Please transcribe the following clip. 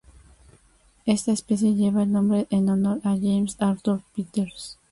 Esta especie lleva el nombre en honor a James Arthur Peters.